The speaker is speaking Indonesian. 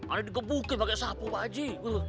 ayah dikebukin pake sapu pak ji